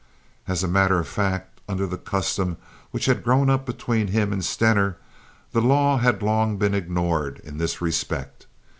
As a matter of fact, under the custom which had grown up between him and Stener, the law had long been ignored in this respect.